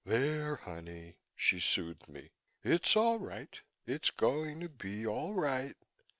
"There, honey," she soothed me. "It's all right. It's going to be all right."